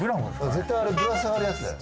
絶対あれぶら下がるやつだよ。